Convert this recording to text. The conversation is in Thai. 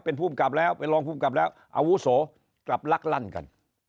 เป็นภูมิกับแล้วเป็นรองภูมิกับแล้วอาวุโสกลับลักลั่นกัน